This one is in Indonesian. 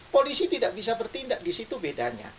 polisi tidak bisa bertindak disitu bedanya